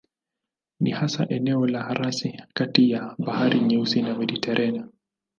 Ni hasa eneo la rasi kati ya Bahari Nyeusi na Mediteranea.